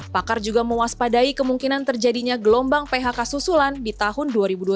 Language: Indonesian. pakar juga mewaspadai kemungkinan terjadinya gelombang phk susulan di tahun dua ribu dua puluh